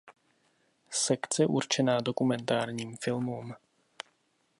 Sekce určená dokumentárním filmům.